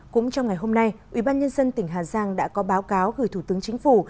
cũng trong ngày hôm nay ubnd tỉnh hà giang đã có báo cáo gửi thủ tướng chính phủ